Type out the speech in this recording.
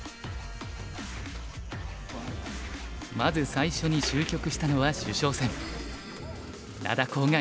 まず最初に終局したのは主将戦。